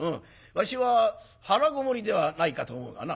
わしは腹籠もりではないかと思うがな」。